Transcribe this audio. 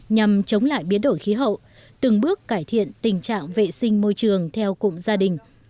nhằm chống lại biến đổi khí hậu từng bước cải thiện tình trạng vệ sinh môi trường theo cụm gia đình